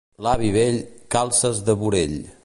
L'avi vell, calces de burell.